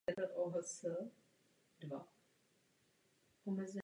Má šedé vlasy a brýle.